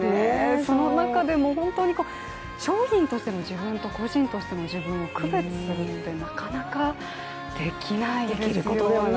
その中でも本当に商品としての自分と個人としての自分を区別するってなかなかできないですよね。